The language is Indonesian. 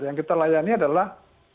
yang kita layani adalah